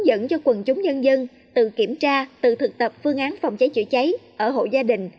dẫn cho quần chúng nhân dân tự kiểm tra tự thực tập phương án phòng cháy chữa cháy ở hộ gia đình